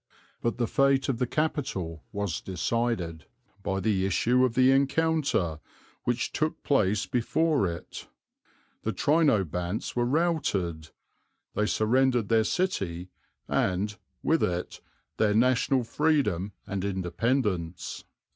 But the fate of the capital was decided by the issue of the encounter which took place before it. The Trinobantes were routed. They surrendered their city and, with it, their national freedom and independence.